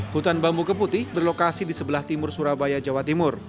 hutan bambu keputi berlokasi di sebelah timur surabaya jawa timur